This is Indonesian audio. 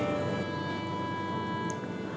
kamu rindu sama alfie